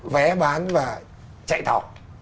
vé bán và chạy thỏ